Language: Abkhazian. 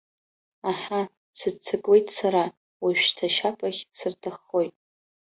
Аҳа, сыццакуеит сара, уажәшьҭа ашьаԥахь сырҭаххоит!